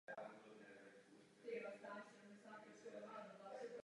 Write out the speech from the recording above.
Walpole měl po rozchodu se svou manželkou Catherine řadu milenek.